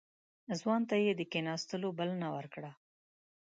ځوان ته يې د کېناستو بلنه ورکړه.